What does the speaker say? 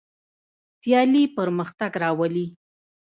سیالي پرمختګ راولي.